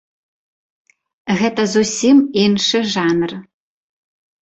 Гэта зусім іншы жанр.